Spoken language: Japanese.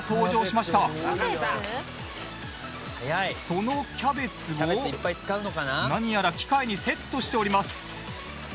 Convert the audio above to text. そのキャベツを何やら機械にセットしております。